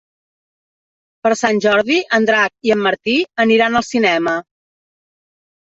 Per Sant Jordi en Drac i en Martí aniran al cinema.